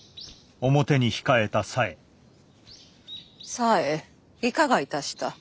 紗江いかがいたした？